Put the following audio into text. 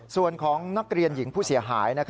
ส่วนของนักเรียนหญิงผู้เสียหาย